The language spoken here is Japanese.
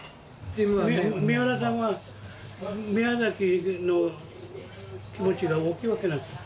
三浦さんは宮崎の気持ちが大きいわけなんですよ。